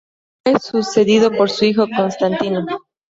Fue sucedido por su hijo Constantino.